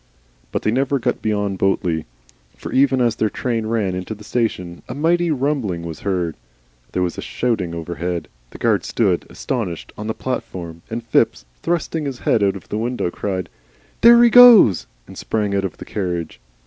But they never got beyond Botley. For even as their train ran into the station, a mighty rumbling was heard, there was a shouting overhead, the guard stood astonished on the platform, and Phipps, thrusting his head out of the window, cried, "There he goes!" and sprang out of the carriage.